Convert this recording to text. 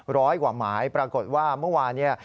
ร้อยกว่าหมายปรากฏว่าเมื่อวานเนี่ย